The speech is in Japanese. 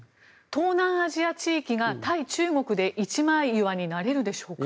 東南アジア地域が対中国で一枚岩になれるでしょうか。